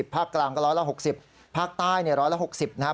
ภาคกลางก็ร้อยละ๖๐ภาคใต้เนี่ยร้อยละ๖๐นะฮะ